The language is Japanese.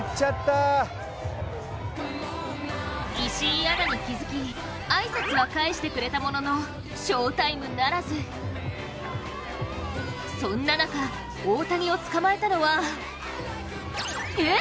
石井アナに気づき挨拶は返してくれたものの翔タイムならずそんな中、大谷を捕まえたのはええ！？